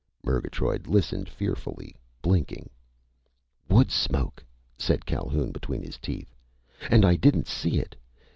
Murgatroyd listened fearfully, blinking. "Wood smoke!" said Calhoun between his teeth. "And I didn't see it!